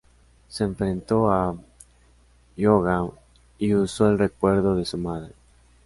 Se enfrentó a Hyōga y usó el recuerdo de su madre.